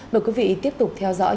mời quý vị tiếp tục theo dõi